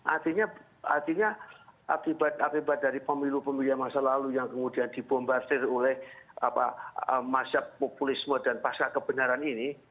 artinya artinya akibat akibat dari pemilu pemilu yang masa lalu yang kemudian dibombardir oleh masyarakat populisme dan pasra kebenaran ini